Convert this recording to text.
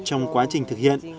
trong quá trình thực hiện